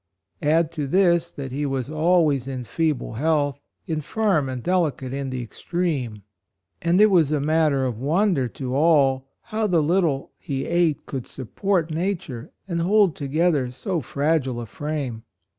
Add to this that he was always in feeble health, in firm and delicate in the extreme; and it was a matter of wonder to all how the little he ate could sup port nature and hold together so fragile a frame.